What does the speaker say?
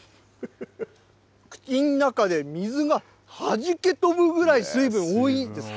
口の中で水がはじけ飛ぶぐらい水分多いです。